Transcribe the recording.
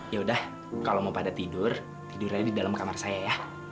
yaudah kalo mau pada tidur tidurnya di dalam kamar saya ya